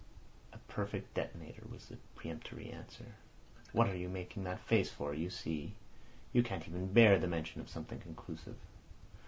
"A perfect detonator," was the peremptory answer. "What are you making that face for? You see, you can't even bear the mention of something conclusive."